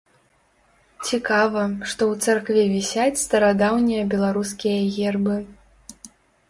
Цікава, што ў царкве вісяць старадаўнія беларускія гербы.